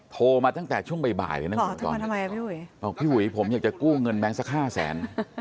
โทรมาตั้งแต่ช่วงบ่ายเลยนะบอกพี่หุยผมอยากจะกู้เงินแบงค์สักห้าแสน